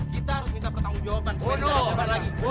kita harus minta pertanggung jawaban lagi